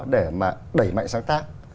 để mà đẩy mạnh sáng tác